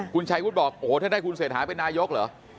คุณชัยวุฒิบอกโอ้โหถ้าได้คุณเศรษฐาเป็นนายกเหรอ